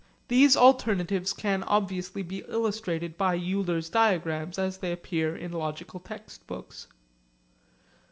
These alternatives can obviously be illustrated by Euler's diagrams as they appear in logical textbooks.